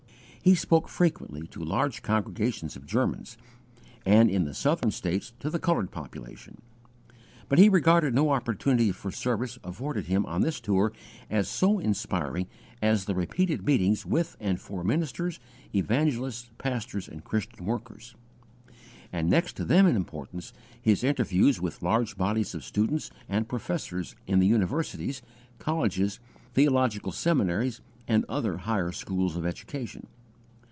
He spoke frequently to large congregations of Germans, and, in the Southern States, to the coloured population; but he regarded no opportunity for service afforded him on this tour as so inspiring as the repeated meetings with and for ministers, evangelists, pastors, and Christian workers; and, next to them in importance, his interviews with large bodies of students and professors in the universities, colleges, theological seminaries, and other higher schools of education.